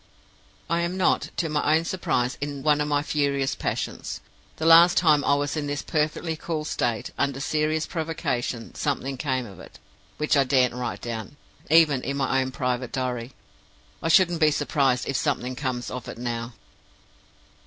"I am not, to my own surprise, in one of my furious passions. The last time I was in this perfectly cool state, under serious provocation, something came of it, which I daren't write down, even in my own private diary. I shouldn't be surprised if something comes of it now.